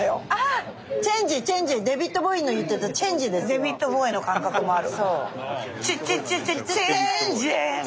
デヴィッド・ボウイの感覚もある。